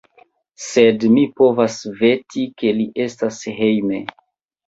Sed mi povas veti, ke li estas hejme.